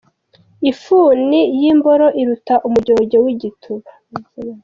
Ifuni y’imboro iruta umujyojyo w’igituba.